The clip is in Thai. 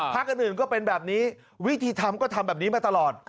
อื่นก็เป็นแบบนี้วิธีทำก็ทำแบบนี้มาตลอด